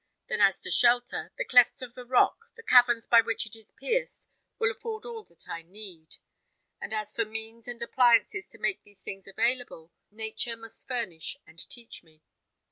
Then as to shelter, the clefts of the rock, the caverns by which it is pierced, will afford all that I need; and as for means and appliances to make these things available, nature must furnish and teach me.